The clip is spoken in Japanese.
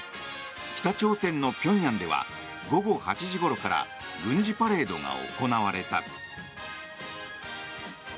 北朝鮮の平壌では午後８時ごろから軍事パレードが行われた。